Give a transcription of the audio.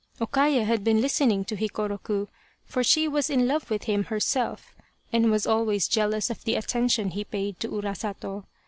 O Kaya had been listening to Hikoroku, for she was in love with him herself and was always jealous of the attention he paid to Urasato.